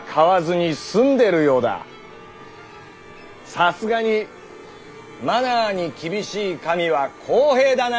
さすがに「マナー」に厳しい神は公平だな。